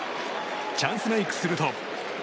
チャンスメイクすると。